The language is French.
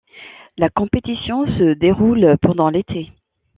La compétition se déroule pendant l'été.